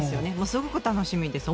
すごく楽しみです。